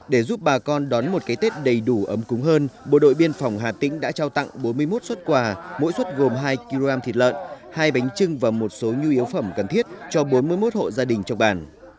để giúp bà con đón một cái tết đầy đủ ấm cúng hơn bộ đội biên phòng hà tĩnh đã trao tặng bốn mươi một xuất quà mỗi xuất gồm hai kg thịt lợn hai bánh trưng và một số nhu yếu phẩm cần thiết cho bốn mươi một hộ gia đình trong bản